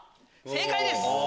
正解です。